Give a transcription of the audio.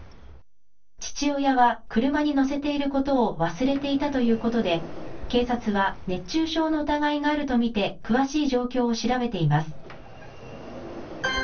父親は車に乗せていることを忘れていたということで、警察は熱中症の疑いがあると見て、詳しい状況を調べています。